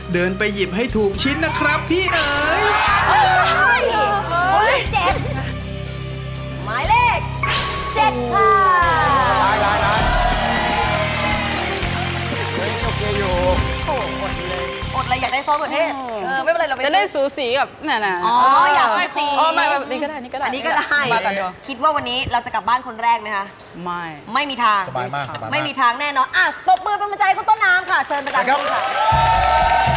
เดินไปหยิบให้ถูกชิ้นนะครับพี่เอ๋ย